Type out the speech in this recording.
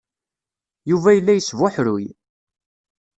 Yuba yella yesbuḥruy.